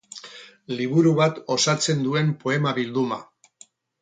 Liburu bat osatzen duen poema bilduma.